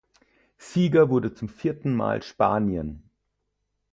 Sieger wurde zum vierten Mal Spanien.